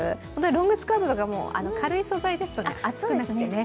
ロングスカートとかも軽い素材ですと、暑くなくてね。